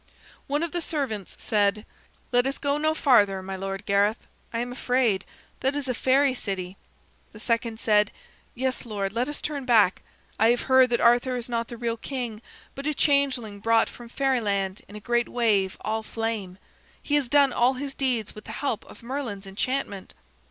One of the servants said: "Let us go no farther, my lord Gareth. I am afraid. That is a fairy city." The second said: "Yes, lord, let us turn back. I have heard that Arthur is not the real king, but a changeling brought from fairyland in a great wave all flame. He has done all his deeds with the help of Merlin's enchantment."